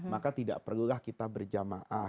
maka tidak perlulah kita berjamaah